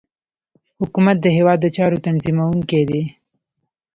حکومت د هیواد د چارو تنظیمونکی دی